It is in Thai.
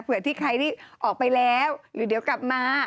เผื่อที่ใครที่ออกไปแล้วหรือเดี๋ยวกลับมา